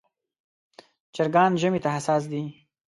چرګان ژمي ته حساس دي.